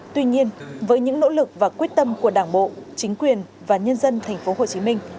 tuy nhiên với những nỗ lực và quyết tâm của đảng bộ chính quyền và nhân dân tp hcm